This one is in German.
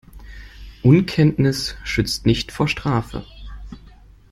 Unkenntnis schützt nicht vor Strafe.